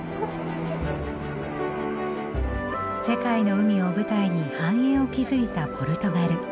世界の海を舞台に繁栄を築いたポルトガル。